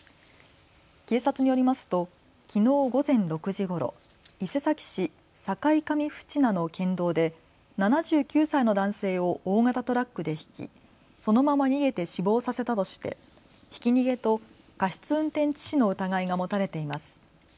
警察によりますときのう午前６時ごろ、伊勢崎市境上渕名の県道で７９歳の男性を大型トラックでひき、そのまま逃げて死亡させたとしてひき逃げと過失運転致死の疑いが持たれています。